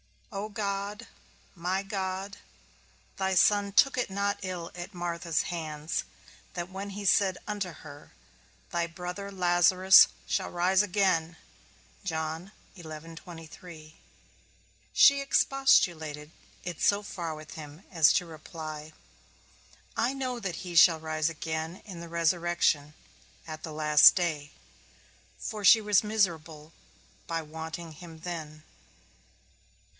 O God, my God, thy Son took it not ill at Martha's hands, that when he said unto her, Thy brother Lazarus shall rise again, she expostulated it so far with him as to reply, I know that he shall rise again in the resurrection, at the last day; for she was miserable by wanting him then.